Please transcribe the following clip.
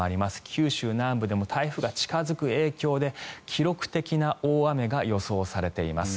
九州南部でも台風が近付く影響で記録的な大雨が予想されています。